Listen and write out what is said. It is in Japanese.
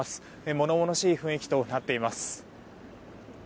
物々しい雰囲気となっています。